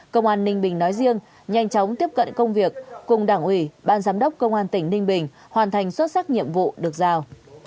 công an ninh bình nói riêng nhanh chóng tiếp cận công việc cùng đảng ủy ban giám đốc công an tỉnh ninh bình hoàn thành xuất sắc nhiệm vụ được giao